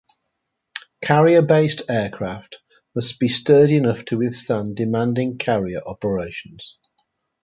Carrier-based aircraft must be sturdy enough to withstand demanding carrier operations.